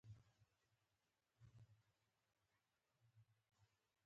لرغونپوهانو او جنټیک پوهانو څېړنې کړې دي.